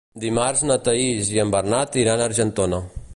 Dimarts na Thaís i en Bernat iran a Argentona.